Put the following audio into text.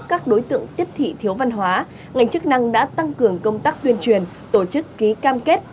các đối tượng tiếp thị thiếu văn hóa ngành chức năng đã tăng cường công tác tuyên truyền tổ chức ký cam kết